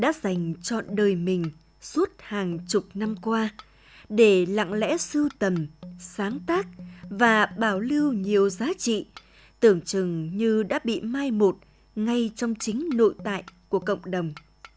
đã dành chọn đời mình suốt hàng chục năm qua để lặng lẽ sưu tầm sáng tác và bảo lưu nhiều giá trị tưởng chừng như đã bị mai một ngay trong chính nội tại của cộng đồng